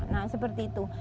nah seperti itu